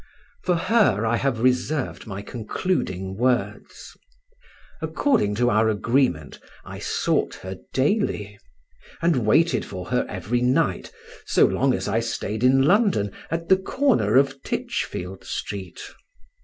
For her I have reserved my concluding words. According to our agreement, I sought her daily, and waited for her every night, so long as I stayed in London, at the corner of Titchfield Street.